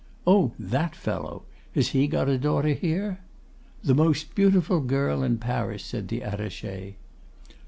'Oh! that fellow! Has he got a daughter here?' 'The most beautiful girl in Paris,' said the Attaché.